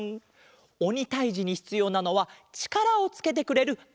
おにたいじにひつようなのはちからをつけてくれるあれだわん。